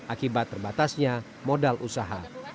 akibat terbatasnya modal usaha